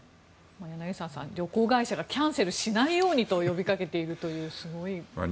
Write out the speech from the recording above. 柳澤さん、旅行会社がキャンセルしないようにと呼びかけているというすごい話ですが。